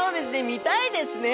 見たいですね！